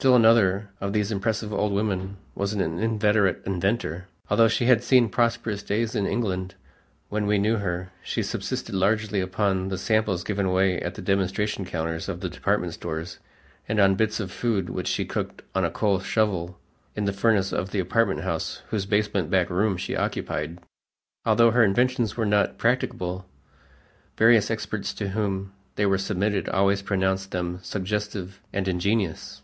Still another of these impressive old women was an inveterate inventor. Although she had seen prosperous days in England, when we knew her, she subsisted largely upon the samples given away at the demonstration counters of the department stores, and on bits of food which she cooked on a coal shovel in the furnace of the apartment house whose basement back room she occupied. Although her inventions were not practicable, various experts to whom they were submitted always pronounced them suggestive and ingenious.